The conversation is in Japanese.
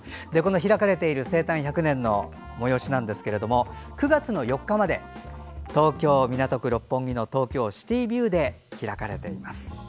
開かれている生誕１００年の催し９月４日まで東京・港区六本木の東京シティービューで開かれています。